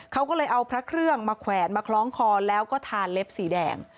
เขาก็เลยเอาพระเครื่องมาแขวนมาคล้องคอแล้วก็ทานเล็บสีแดง